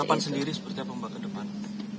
harapan sendiri seperti apa mbak ke depan